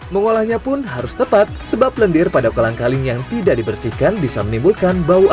mengolahnya pun harus tepat sebab lendir pada kolang kaling yang tidak dibersihkan bisa menimbulkan bau